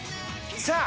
さあ。